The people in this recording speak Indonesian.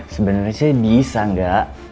sebenernya sih bisa enggak